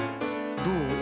どう？